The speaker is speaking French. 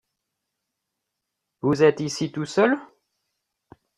Vous êtes ici tout seul ?